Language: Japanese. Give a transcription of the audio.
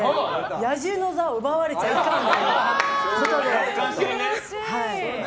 野獣の座を奪われちゃいかんということで。